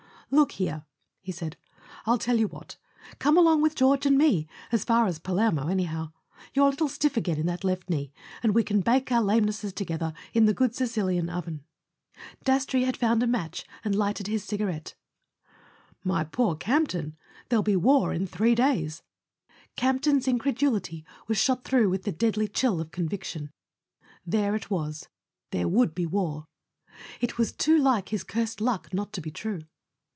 "Look here/' he said, "I'll tell you what. Come along with George and me—as far as Palermo, any¬ how. You're a little stiff again in that left knee, and we can bake our lamenesses together in the good Sicilian oven." Dastrey had found a match and lighted his ciga¬ rette. "My poor Campton—there'll be war in three days." Campton's incredulity was shot through with the deadly chill of conviction. There it was—there would be war! It was too like his cursed luck not to be true.